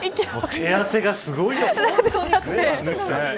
手汗がすごい。